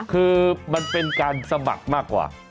คือมันเป็นการสมัครมากกว่า